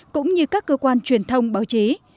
cũng như các cơ quan truyền thông báo chí